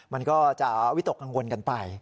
มันก็จะวิตกกังวลกันไป